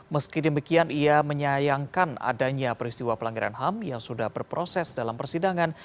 meski demikian ia menyayangkan adanya peristiwa pelanggaran ham yang sudah berproses dalam persidangan